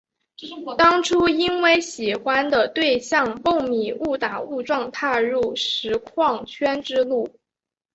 当初因为喜欢的对象蹦米误打误撞踏入实况圈之路。